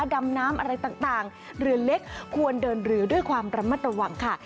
ดำน้ำอะไรต่างเรือเล็กควรเดินเรือด้วยความระมัดระวังค่ะ